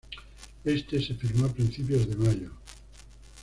Este se firmó a principios de mayo.